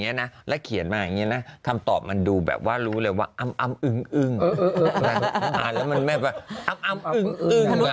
นี้นะและเขียนมาอย่างนี้นะทำตอบมันดูแบบว่ารู้เลยว่าอำอำอึ้งอึ้งอำอำอึ้งอึ้ง